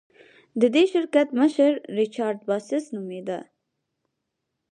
د دې شرکت مشر ریچارډ باسس نومېده.